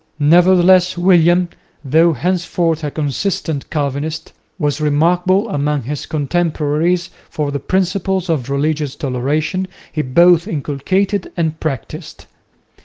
Nevertheless William, though henceforth a consistent Calvinist, was remarkable among his contemporaries for the principles of religious toleration he both inculcated and practised.